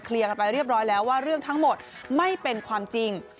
กันไปเรียบร้อยแล้วว่าเรื่องทั้งหมดไม่เป็นความจริง